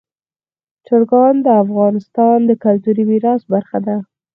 چرګان د افغانستان د کلتوري میراث برخه ده.